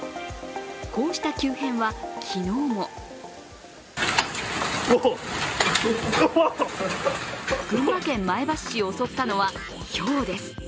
こうした急変は昨日も群馬県前橋市を襲ったのはひょうです。